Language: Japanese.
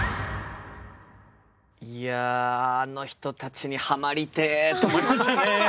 いやあの人たちにハマりてと思いましたね。